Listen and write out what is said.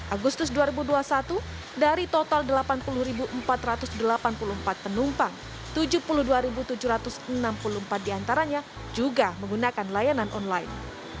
agustus dua ribu dua puluh satu dari total delapan puluh empat ratus delapan puluh empat penumpang tujuh puluh dua tujuh ratus enam puluh empat diantaranya juga menggunakan layanan online